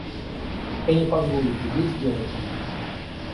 Я не позволю тебе сделать это.